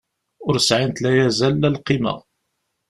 Ur sɛint la azal la lqima.